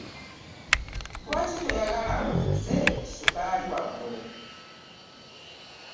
Lwaki toyagala nkozese ku sukaali wammwe?